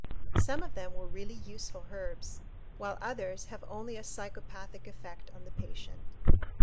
Some of them were really useful herbs, while others have only a psychopathic effect on the patient.